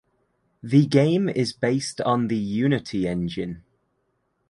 The game is based on the Unity engine.